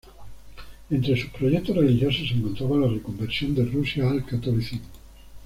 Entre sus proyectos religiosos se encontraba la reconversión de Rusia al catolicismo.